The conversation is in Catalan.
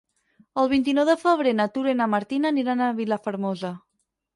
El vint-i-nou de febrer na Tura i na Martina aniran a Vilafermosa.